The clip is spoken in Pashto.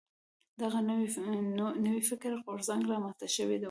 دغه نوی فکري غورځنګ را منځته شوی و.